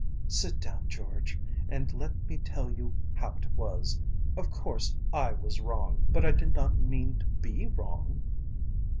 "Sit down, George, and let me tell you how it was. Of course I was wrong, but I did not mean to be wrong."